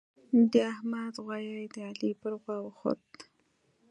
د احمد غويی د علي پر غوا وخوت.